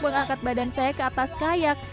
mengangkat badan saya ke atas kayak